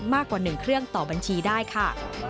มากกว่า๑เครื่องต่อบัญชีได้ค่ะ